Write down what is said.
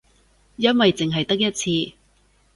因為淨係得一次